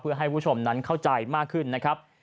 เพื่อให้ผู้ชมนั้นเข้าใจมากขึ้นนะครับ